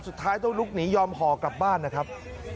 สุดท้ายต้องลุกหนียอมห่อกลับบ้านนะครับ